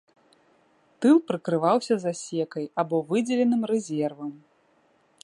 Тыл прыкрываўся засекай або выдзеленым рэзервам.